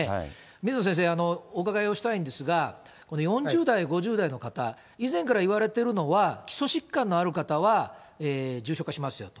水野先生、お伺いをしたいんですが、この４０代、５０代の方、以前から言われてるのは、基礎疾患のある方は重症化しますよと。